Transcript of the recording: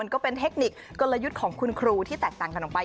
ก็เป็นเทคนิคกลยุทธ์ของคุณครูที่แตกต่างกันออกไป